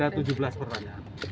ada tujuh belas pertanyaan